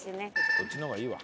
そっちの方がいいわ。